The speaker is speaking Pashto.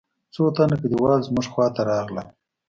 څو تنه کليوال زموږ خوا ته راغلل.